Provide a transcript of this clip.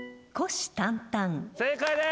正解です！